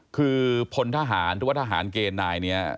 คือพลทหารหรือว่าทหารเกณฑ์นายนี้